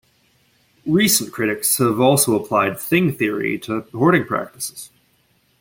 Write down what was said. Recent critics have also applied Thing Theory to hoarding practices.